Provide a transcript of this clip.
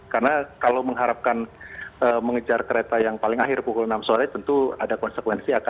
karena kalau mengharapkan mengejar kereta yang paling akhir pukul enam sore tentu ada konsekuensi